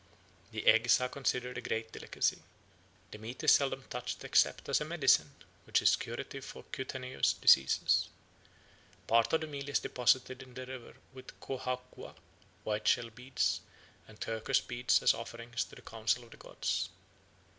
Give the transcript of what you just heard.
The eggs are considered a great delicacy. The meat is seldom touched except as a medicine, which is curative for cutaneous diseases. Part of the meat is deposited in the river with kóhakwa (white shell beads) and turquoise beads as offerings to Council of the Gods."